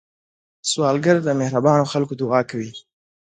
سوالګر د مهربانو خلکو دعا کوي